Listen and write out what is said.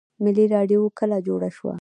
ملي راډیو کله جوړه شوه؟